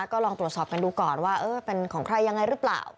ก็ลองตรวจสอบกันดูก่อนว่าเป็นของใครยังไงหรือเปล่า